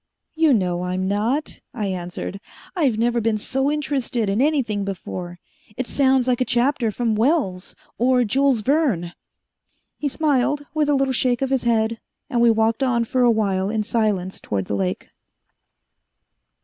"You know I'm not," I answered. "I've never been so interested in anything before. It sounds like a chapter from Wells, or Jules Verne." He smiled, with a little shake of his head, and we walked on for awhile in silence toward the lake....